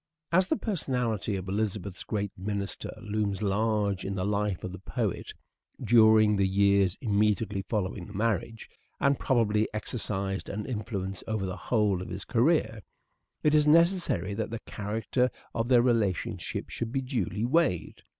As the personality of Elizabeth's great minister oxford and looms large in the life of the poet during the years Burleigh immediately following the marriage, and probably exercised an influence over the whole of his career, it is necessary that the character of their relationship should be duly weighed.